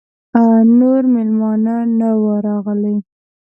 نور مېلمانه نه وه راغلي.